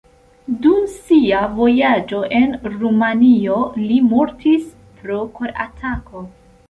Dum sia vojaĝo en Rumanio li mortis pro koratako.